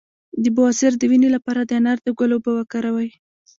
د بواسیر د وینې لپاره د انار د ګل اوبه وکاروئ